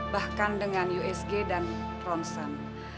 bahkan dengan usg dan ronsen